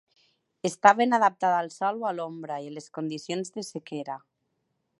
Està ben adaptada al Sol o a l'ombra i a les condicions de sequera.